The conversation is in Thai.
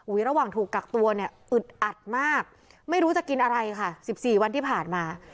ระหว่างถูกกักตัวเนี่ยอึดอัดมากไม่รู้จะกินอะไรค่ะ๑๔วันที่ผ่านมา